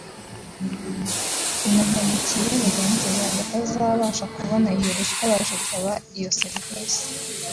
unahemukiye bagenzi bawe batazabasha kubona iyo ruswa baje gusaba iyo serivisi